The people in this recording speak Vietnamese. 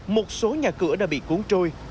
một số nhà cửa đã bị cuốn trôi